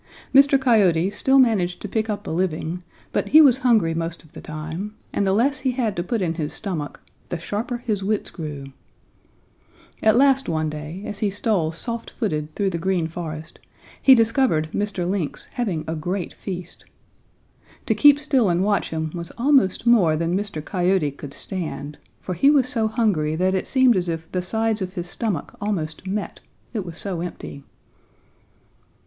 Mr. Coyote still managed to pick up a living, but he was hungry most of the time, and the less he had to put in his stomach, the sharper his wits grew. At last one day, as he stole soft footed through the Green Forest, he discovered Mr. Lynx having a great feast. To keep still and watch him was almost more than Mr. Coyote could stand, for he was so hungry that it seemed as if the sides of his stomach almost met, it was so empty.